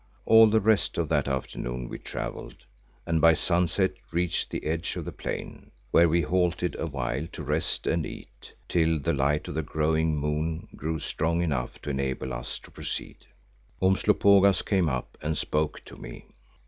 All the rest of that afternoon we travelled and by sunset reached the edge of the plain, where we halted a while to rest and eat, till the light of the growing moon grew strong enough to enable us to proceed. Umslopogaas came up and spoke to me.